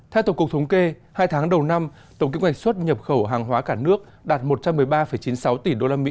theo tổng cục thống kê hai tháng đầu năm tổng kinh hoạch xuất nhập khẩu hàng hóa cả nước đạt một trăm một mươi ba chín mươi sáu tỷ usd